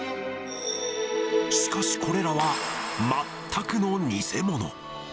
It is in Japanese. しかし、これらは全くの偽物。